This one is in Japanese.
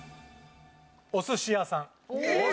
お寿司屋さん